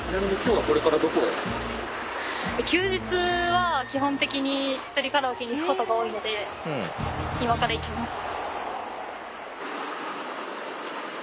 休日は基本的にひとりカラオケに行くことが多いので今から行きます。